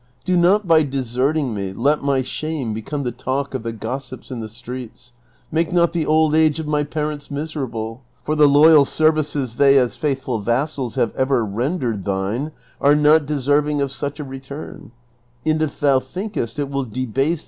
Do not by deserting me let my shame become the talk of the gossips in the streets ; make not the old age of my parents miserable ; for the loyal ser vices they as faithful vassals have ever rendered thine are not deserving of such a return ; and if thou tliinkest it will debase 312 DON QUIXOTE.